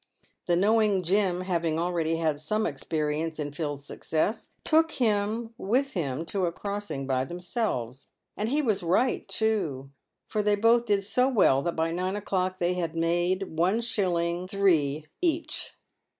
92 PAVED WITH GOLD. The knowing Jim having already had some experience in Phil's success, took him with him to a crossing by themselves ; and he was right, too, for they both did so well that by nine o'clock they had made Is. 3d. each.